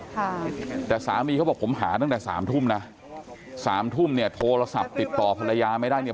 ค่ะแต่สามีเขาบอกผมหาตั้งแต่สามทุ่มนะสามทุ่มเนี่ยโทรศัพท์ติดต่อภรรยาไม่ได้เนี่ย